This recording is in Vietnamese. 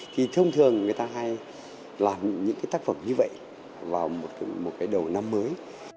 thì thông thường người ta hay làm những cái tác phẩm như vậy vào một cái đầu năm mới